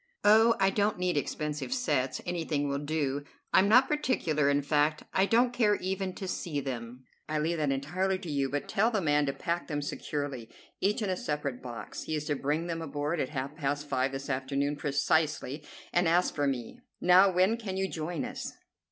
"Oh, I don't need expensive sets; anything will do. I'm not particular; in fact, I don't care even to see them; I leave that entirely to you, but tell the man to pack them securely, each in a separate box. He is to bring them aboard at half past five this afternoon precisely, and ask for me. Now, when can you join us?"